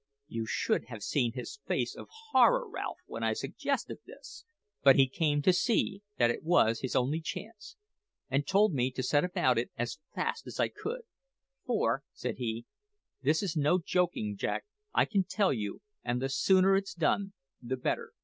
You should have seen his face of horror, Ralph, when I suggested this! But he came to see that it was his only chance, and told me to set about it as fast as I could; `for,' said he, `this is no jokin', Jack, I can tell you, and the sooner it's done the better.'